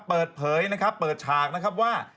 เปิดเผยนะครับเปิดฉากนะครับว่า